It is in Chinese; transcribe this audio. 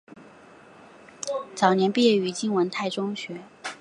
早年毕业于金文泰中学。